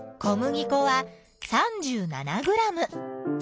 小麦粉は３７ｇ。